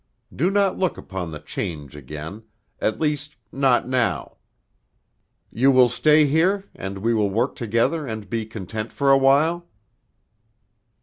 Do not look upon the change again, at least not now. You will stay here, and we will work together, and be content for awhile?"